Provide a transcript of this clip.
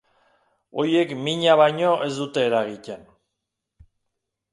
Horiek mina baino ez dute eragiten.